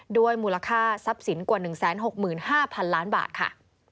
มูลค่าทรัพย์สินกว่า๑๖๕๐๐๐ล้านบาทค่ะ